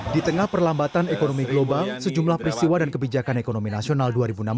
di tengah perlambatan ekonomi global sejumlah peristiwa dan kebijakan ekonomi nasional dua ribu enam belas